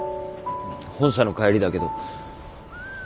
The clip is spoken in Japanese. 本社の帰りだけど。